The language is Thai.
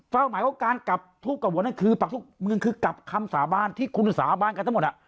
เฝ้าหมายของการกลับทูปกับหัวนั่นคือกลับคำสาบานที่คุณสาบานกันทั้งหมด